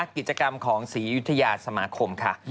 กิจกรรมของศรียุธยาสมาคมค่ะ